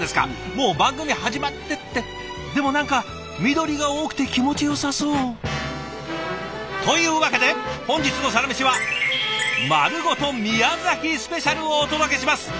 もう番組始まってってでも何か緑が多くて気持ちよさそう。というわけで本日の「サラメシ」はをお届けします！